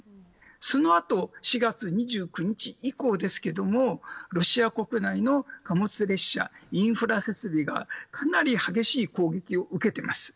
その後、４月２９日以降ロシア国内の貨物列車、インフラ設備がかなり激しい攻撃を受けています。